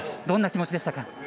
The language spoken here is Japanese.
どんな気持ちでしたか？